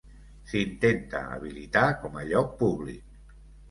S'intenta habilitar com a lloc públic.